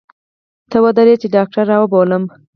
ته ودرې چې ډاکتر راوبولم.